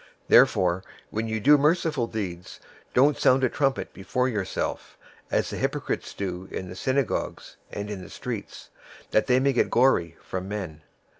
006:002 Therefore when you do merciful deeds, don't sound a trumpet before yourself, as the hypocrites do in the synagogues and in the streets, that they may get glory from men.